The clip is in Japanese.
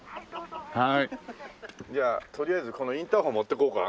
じゃあとりあえずこのインターホン持っていこうか。